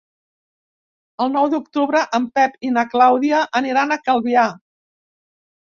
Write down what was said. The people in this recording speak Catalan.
El nou d'octubre en Pep i na Clàudia aniran a Calvià.